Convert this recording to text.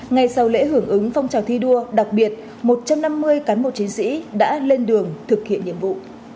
ngày sau lễ hưởng ứng phong trào thi đua đặc biệt một trăm năm mươi cán bộ chiến sĩ đã lên đường thực hiện nhiệm vụ